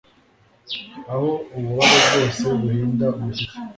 Aho ububabare bwose buhinda umushyitsi